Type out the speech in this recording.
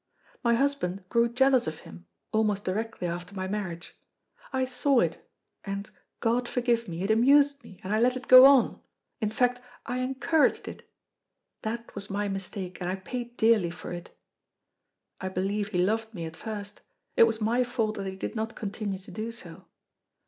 My husband grew jealous of him, almost directly after my marriage. I saw it, and, God forgive me, it amused me, and I let it go on in fact, I encouraged it. That was my mistake, and I paid dearly for it. I believe he loved me at first; it was my fault that he did not continue to do so.